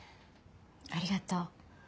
ありがとう。